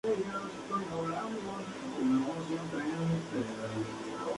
Estas obras encontraron una presentación generalizada en muchos estados de la India.